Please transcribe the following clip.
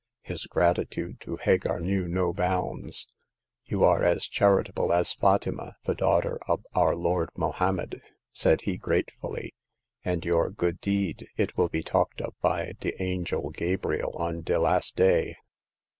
His gratitude to Hagar knew no bounds. You are as charitable as Fatima, the daughter ob our Lord Mohommed," said he, gratefully, '* and your good deed, it will be talked ob by de angel Gabriel on de Las* Day."